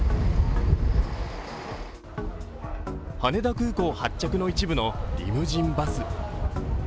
羽田空港発着の一部のリムジンバス。